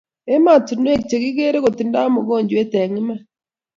emattunuek chekikere kotindai mukojwet eng iman